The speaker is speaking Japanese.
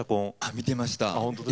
見てました。